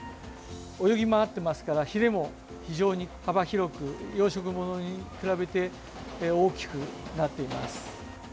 泳ぎ回っていますからヒレも非常に幅広く養殖物に比べて大きくなっています。